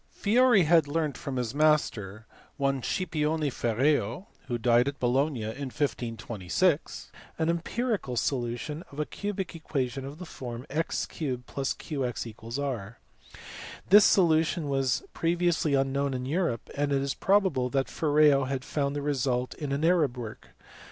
Fiori had learnt from his master, one Scipione Ferreo (who died at Bologna in 1526), an empirical solution of a cubic equation of the form x 3 + qx = r. This solu tion was previously unknown in Europe, and it is probable that Ferreo had found the result in an Arab work.